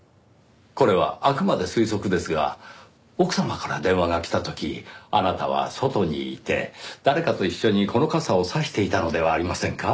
これはあくまで推測ですが奥様から電話が来た時あなたは外にいて誰かと一緒にこの傘を差していたのではありませんか？